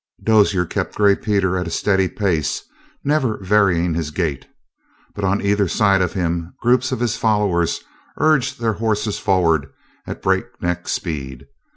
Dozier kept Gray Peter at a steady pace, never varying his gait. But, on either side of him groups of his followers urged their horses forward at breakneck speed.